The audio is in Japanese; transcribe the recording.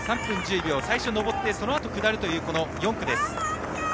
最初、上ってそのあと下るという４区です。